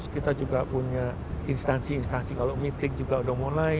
kita juga punya instansi instansi kalau meeting juga sudah mulai